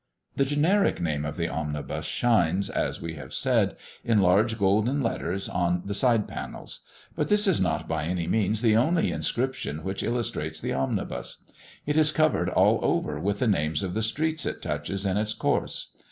The generic name of the omnibus shines, as we have said, in large golden letters on the side panels; but this is not by any means the only inscription which illustrates the omnibus. It is covered all over with the names of the streets it touches in its course.